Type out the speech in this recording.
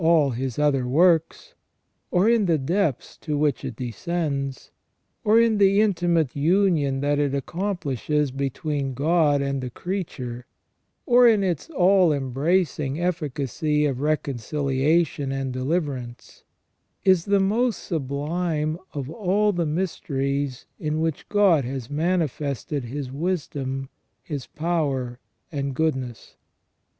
1 09 all His other works, or in the depths to which it descends, or in the intimate union that it accomplishes between God and the creature, or in its all embracing efficacy of reconciliation and deliverance, is the most sublime of all the mysteries in which God has manifested His wisdom, His power, and goodness.